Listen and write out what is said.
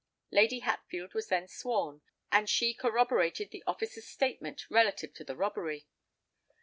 Lady Hatfield was then sworn, and she corroborated the officer's statement relative to the robbery.